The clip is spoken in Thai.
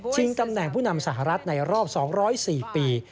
ตำแหน่งผู้นำสหรัฐในรอบ๒๐๔ปี